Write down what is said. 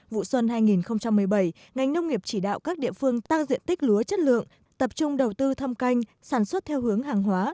vụ xuân hai nghìn một mươi bảy ngành nông nghiệp chỉ đạo các địa phương tăng diện tích lúa chất lượng tập trung đầu tư thâm canh sản xuất theo hướng hàng hóa